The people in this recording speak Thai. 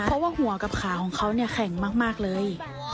เพราะว่าหัวกับขาของเขาเนี่ยแข็งมากเลย